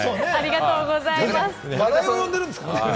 笑いを生んでるんですからね。